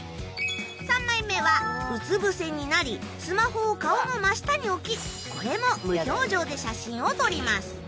３枚目はうつ伏せになりスマホを顔の真下に置きこれも無表情で写真を撮ります。